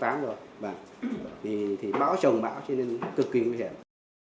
thì bão trồng bão cho nên cực kỳ nguy hiểm